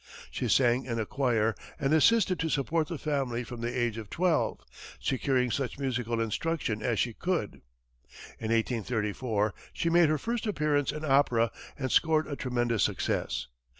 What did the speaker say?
She sang in a choir and assisted to support the family from the age of twelve, securing such musical instruction as she could. In 1834, she made her first appearance in opera and scored a tremendous success.